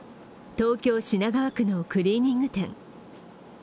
東京・品川区のクリーニング店。